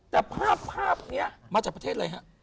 แต่ภาพนี้มาจากประเทศอะไรฮะ